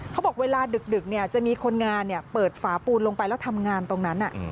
เขาบอกเวลาดึกจะมีคนงานเปิดฝาปูนลงไปแล้วทำงานตรงนั้น